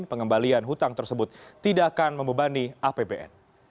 pengembalian hutang tersebut tidak akan membebani apbn